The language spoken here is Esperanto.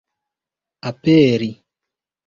aperi